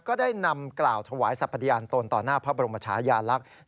ก็ได้นำกล่าวถวายสรรพยานตนต่อหน้าพระบรมชายาลักษณ์